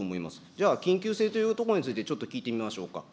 じゃあ、緊急性というところについてちょっと聞いてみましょうか。